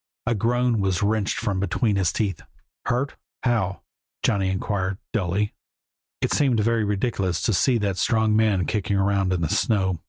A groan was wrenched from between his teeth. "Hurt? How?" Johnny inquired, dully. It seemed very ridiculous to see that strong man kicking around in the snow.